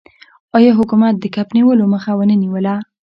آیا حکومت د کب نیولو مخه ونه نیوله؟